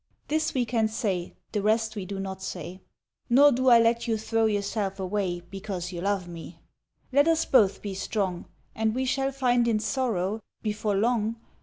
This we can say, the rest we do not say ; Nor do I let you throw yourself away Because you love me. Let us both be strong. And we shall find in sorrow, before long.